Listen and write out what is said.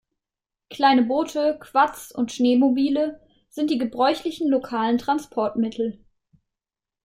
Kleine Boote, Quads und Schneemobile sind die gebräuchlichen lokalen Transportmittel.